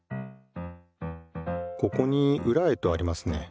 ここに「ウラへ」とありますね。